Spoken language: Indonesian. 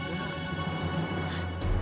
tadi kan om bilang